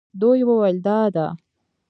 دوی وویل دا ده.